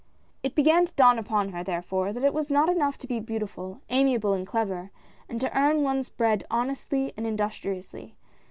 It began to dawn upon her, therefore, that it was not enough to be beautiful, amiable and clever, and to earn ones' bread honestly and industriously.